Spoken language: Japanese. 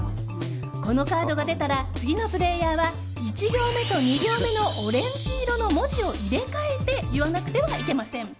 このカードが出たら次のプレーヤーは１行目と２行目のオレンジ色の文字を入れ替えて言わなくてはいけません。